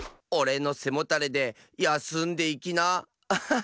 『おれのせもたれでやすんでいきな』」。